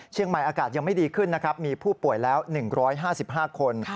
อากาศยังไม่ดีขึ้นนะครับมีผู้ป่วยแล้ว๑๕๕คน